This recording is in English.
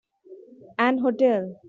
An hotel.